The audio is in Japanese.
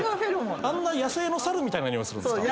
あんな野生の猿みたいなにおいするんですか？